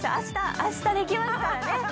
明日できますからね！